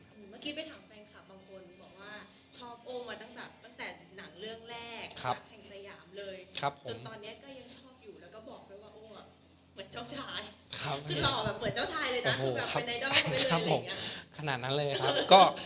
เมื่อกี้ไปถามแฟนคับบางคนบอกว่าชอบโอ้งอะตั้งแต่หนังเรื่องแรกแข่งสยามเลยจนตอนเนี้ยก็ยังชอบอยู่แล้วก็บอกเลยว่าโอ้งอะเหมือนเจ้าชายคือหล่อเหมือนเจ้าชายเลยนะคือแบบเป็นไนดอลไปเลย